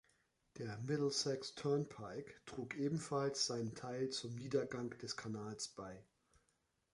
Der Middlesex Turnpike trug ebenfalls seinen Teil zum Niedergang des Kanals bei.